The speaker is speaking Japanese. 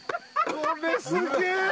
これすげえ！